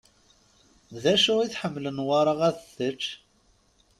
D acu i tḥemmel Newwara ad t-tečč?